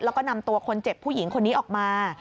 แล้วก็นำตัวคนเจ็บผู้หญิงคนนี้ออกมา